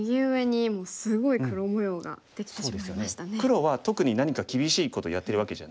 黒は特に何か厳しいことやってるわけじゃないです。